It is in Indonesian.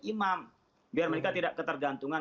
imam biar mereka tidak ketergantungan